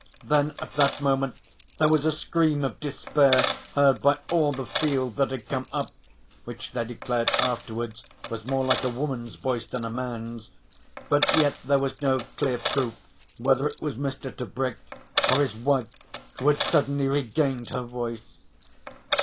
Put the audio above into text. Then at that moment there was a scream of despair heard by all the field that had come up, which they declared afterwards was more like a woman's voice than a man's. But yet there was no clear proof whether it was Mr. Tebrick or his wife who had suddenly regained her voice.